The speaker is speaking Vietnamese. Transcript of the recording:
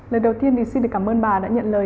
lời đầu tiên thì xin được cảm ơn bà đã nhận lời